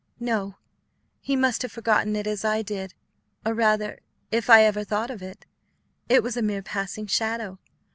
"No; he must have forgotten it as I did, or rather, if I ever thought of it, it was a mere passing shadow.